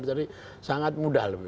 jadi sangat mudah